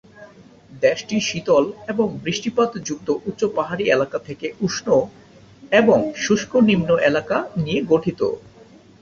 দেশটি শীতল এবং বৃষ্টিপাত যুক্ত উচ্চ পাহাড়ী এলাকা থেকে উষ্ণ এবং শুষ্ক নিম্ন এলাকা নিয়ে গঠিত।